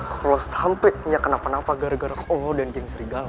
kalo sampe mia kenapa napa gara gara koglo dan geng serigala